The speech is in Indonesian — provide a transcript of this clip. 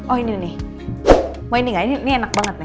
oh ini nih mau ini gak ini enak banget